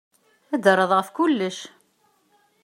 Ad d-terreḍ ɣef kullec.